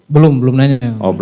belum belum nanya